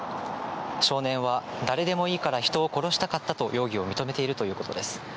少年は、誰でもいいから人を殺したかったと容疑を認めているということです。